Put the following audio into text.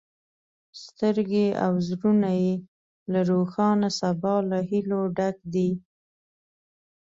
سترګې او زړونه یې له روښانه سبا له هیلو ډک دي.